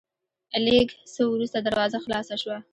لېږ څه ورورسته دروازه خلاصه شوه،